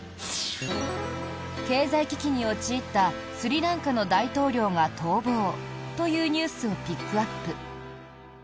経済危機に陥ったスリランカの大統領が逃亡というニュースをピックアップ。